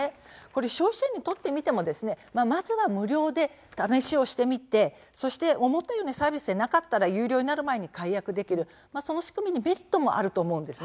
消費者にとってみてもまずは無料で試してみて思ったようなサービスでなかったら有料になる前に解約できるメリットもあると思います。